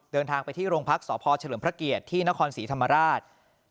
เดินทางไปที่โรงพักษพเฉลิมพระเกียรติที่นครศรีธรรมราช